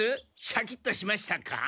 シャキッとしましたか？